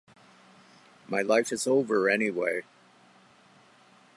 My life is over anyway.